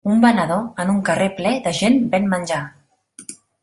Un venedor en un carrer ple de gent ven menjar.